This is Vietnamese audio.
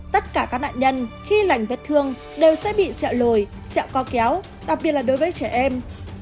tất cả các nạn nhân khi lành vết thương đều sẽ bị sẹo lùi sẹo co kéo đặc biệt là đối với trẻ em